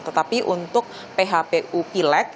tetapi untuk phpu pileg